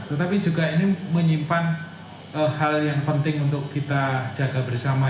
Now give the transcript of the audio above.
tetapi juga ini menyimpan hal yang penting untuk kita jaga bersama